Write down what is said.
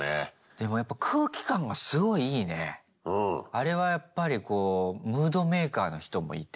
あれはやっぱりこうムードメーカーの人もいて。